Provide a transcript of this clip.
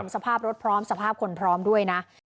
สภาพรถพร้อมสภาพคนพร้อมด้วยนะ